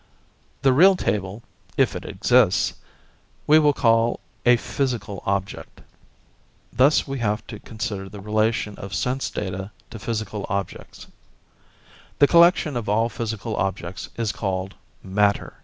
The real table, if it exists, we will call a 'physical object'. Thus we have to consider the relation of sense data to physical objects. The collection of all physical objects is called 'matter'.